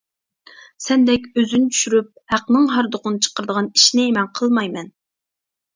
سەندەك ئۆزىنى چۈشۈرۈپ ھەقنىڭ ھاردۇقىنى چىقىرىدىغان ئىشىنى مەن قىلمايمەن.